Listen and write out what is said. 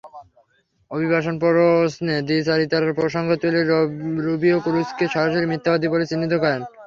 অভিবাসন প্রশ্নে দ্বিচারিতার প্রসঙ্গ তুলে রুবিও ক্রুজকে সরাসরি মিথ্যাবাদী বলে চিহ্নিত করেন।